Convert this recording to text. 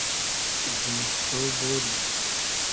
زیمیستو بۉرو